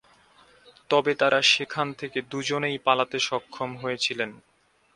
তবে তাঁরা সেখান থেকে দু'জনেই পালাতে সক্ষম হয়েছিলেন।